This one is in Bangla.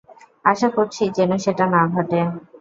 আশা করছি যেন সেটা না ঘটে।